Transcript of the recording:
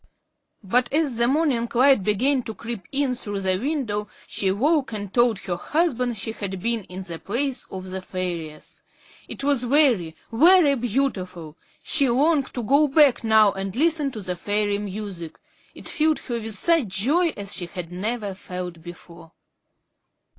But as the morning light began to creep in through the window, she awoke and told her husband she had been in the palace of the fairies. It was very, very beautiful. She longed to go back now and listen to the fairy music. It filled her with such joy as she had never felt before.